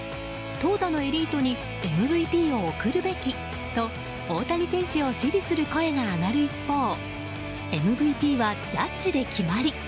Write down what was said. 投打のエリートにＭＶＰを贈るべきと大谷選手を支持する声が上がる一方ＭＶＰはジャッジで決まり。